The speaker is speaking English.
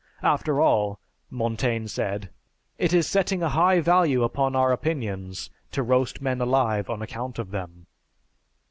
"After all," Montaigne said, "it is setting a high value upon our opinions to roast men alive on account of them."